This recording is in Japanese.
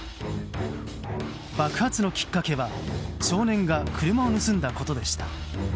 爆発のきっかけは少年が車を盗んだことでした。